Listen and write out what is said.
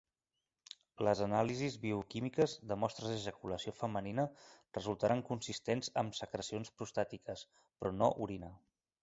Les anàlisis bioquímiques de mostres d'ejaculació femenina resultaren consistents amb secrecions prostàtiques, però no orina.